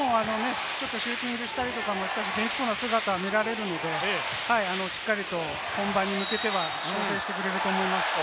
シューティングしたりとかもできそうな姿が見られるので、しっかりと本番に向けては修正してくれると思います。